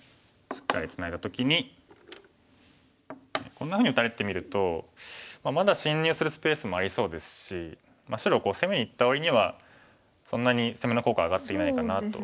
しっかりツナいだ時にこんなふうに打たれてみるとまだ侵入するスペースもありそうですし白を攻めにいったわりにはそんなに攻めの効果は上がっていないかなと。